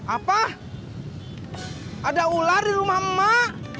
apa ada ular di rumah emak